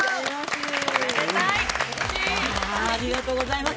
◆ありがとうございます。